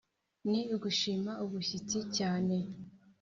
ni ugushima ubushyitsi cyane?